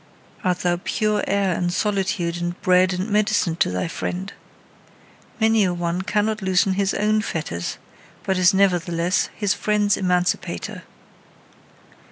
Art thou pure air and solitude and bread and medicine to thy friend? Many a one cannot loosen his own fetters, but is nevertheless his friend's emancipator.